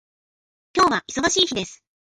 今日は忙しい日です。